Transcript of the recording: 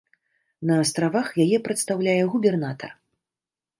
На астравах яе прадстаўляе губернатар.